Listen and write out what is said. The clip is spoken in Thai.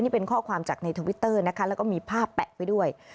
นี่เป็นข้อความจากในทวิตเตอร์นะคะแล้วก็มีภาพแปะไว้ด้วย